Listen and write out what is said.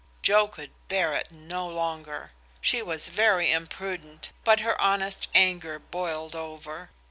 Joe could bear it no longer. She was very imprudent, but her honest anger boiled over.